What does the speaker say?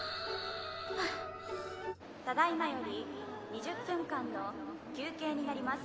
ただいまより２０分間の休憩になります。